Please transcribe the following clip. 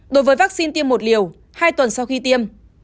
đối với vaccine tiêm một liều hai tuần sau khi tiêm